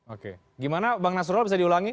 oke gimana bang nasrul bisa diulangi